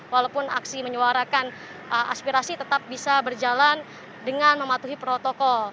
walaupun aksi menyuarakan aspirasi tetap bisa berjalan dengan mematuhi protokol